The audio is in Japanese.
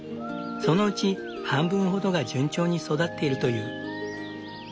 そのうち半分ほどが順調に育っているという。